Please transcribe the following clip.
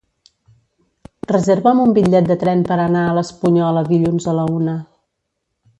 Reserva'm un bitllet de tren per anar a l'Espunyola dilluns a la una.